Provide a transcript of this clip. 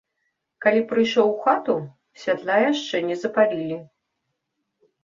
Калі прыйшоў у хату, святла яшчэ не запалілі.